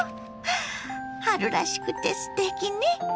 春らしくてすてきね！